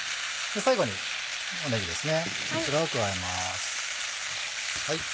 最後にねぎですねこちらを加えます。